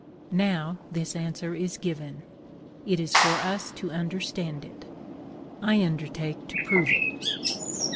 Now, this answer is given; it is for us to understand it. I undertake to prove it.